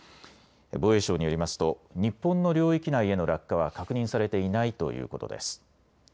防衛省によりますと日本の領域内への落下は確認されていないということです。